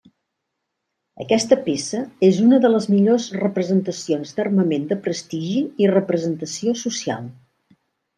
Aquesta peça és una de les millors representacions d'armament de prestigi i representació social.